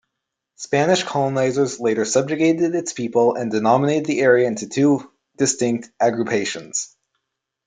Spanish colonizers later subjugated its people and denominated the area into two distinct aggrupations.